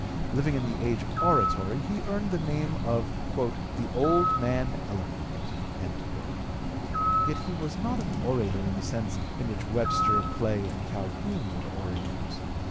Living in the age of oratory, he earned the name of "the old man eloquent." Yet he was not an orator in the sense in which Webster, Clay, and Calhoun were orators.